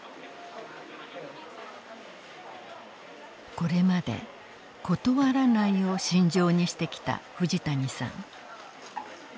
これまで「断らない」を信条にしてきた藤谷さん。